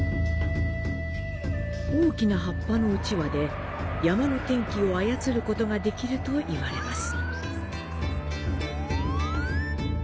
大きな葉っぱの団扇で山の天気を操ることができるといわれます。